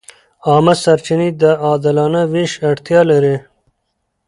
عامه سرچینې د عادلانه وېش اړتیا لري.